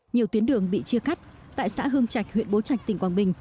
nhiều tuyến đường bị chia cắt tại xã hương trạch huyện bố trạch tỉnh quảng bình